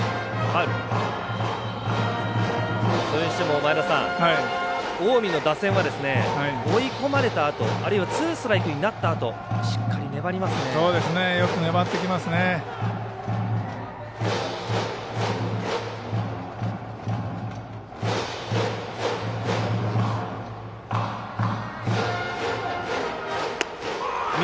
それにしても近江の打線は追い込まれたあとあるいはツーストライクになったあとよく粘ってきますね。